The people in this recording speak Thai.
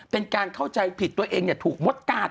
เป็นการเข้าใจผิดตัวเองถูกมดการ